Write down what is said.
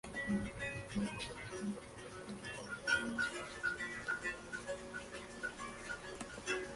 Oxford es la sede de la Universidad de Misisipi.